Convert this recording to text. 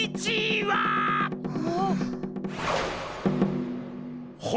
はあ。